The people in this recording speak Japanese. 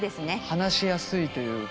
話しやすいというか。